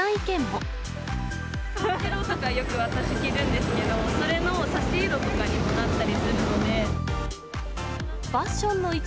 モノクロとか私、よく着るんですけど、それの差し色とかにもなったりもするので。